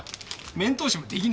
面通しもできねえ。